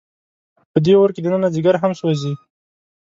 په دې اور کې دننه ځیګر هم سوځي.